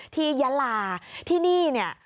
ยะลาที่นี่เนี่ย